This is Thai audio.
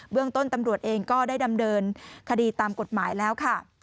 เรื่องต้นตำรวจเองก็ได้ดำเนินคดีตามกฎหมายแล้วค่ะ